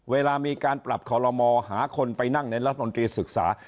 เวลามีการปรับคอลโลมอหาคนไปนั่งในรัฐมนตรีศึกษา